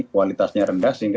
kualitasnya rendah sehingga